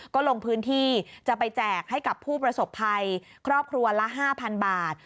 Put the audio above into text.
ก็ลงพื้นที่จะไปแจกให้กับผู้ประสบภัยครอบครัวละ๕๐๐๐บาท